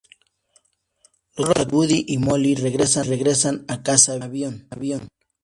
Los cachorros, Buddy y Molly regresan a casa vía avión.